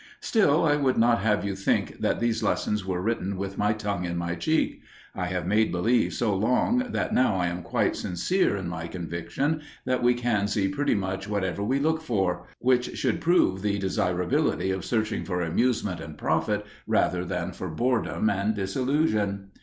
Still, I would not have you think that these lessons were written with my tongue in my cheek. I have made believe so long that now I am quite sincere in my conviction that we can see pretty much whatever we look for; which should prove the desirability of searching for amusement and profit rather than for boredom and disillusion.